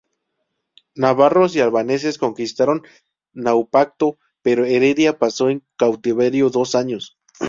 Navarros y albaneses reconquistaron Naupacto, pero Heredia pasó en cautiverio dos años.